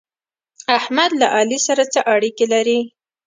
احمد له علي سره څه اړېکې لري؟